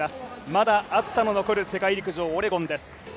まだ暑さの残る世界陸上オレゴンです。